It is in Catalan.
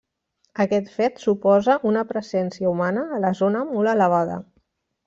Aquest fet suposa una presència humana a la zona molt elevada.